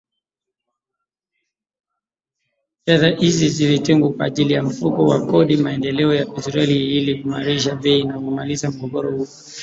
fedha hizi zilitengwa kwa ajili ya Mfuko wa kodi ya Maendeleo ya Petroli ili kuimarisha bei na kumaliza mgogoro huo